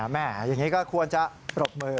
แม่อย่างนี้ก็ควรจะปรบมือ